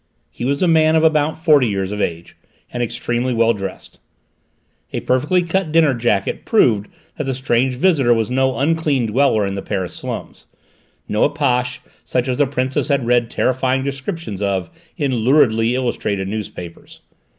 He was a man of about forty years of age, and extremely well dressed. A perfectly cut dinner jacket proved that the strange visitor was no unclean dweller in the Paris slums: no apache such as the Princess had read terrifying descriptions of in luridly illustrated newspapers.